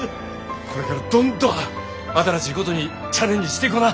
これからどんどん新しいことにチャレンジしていこな。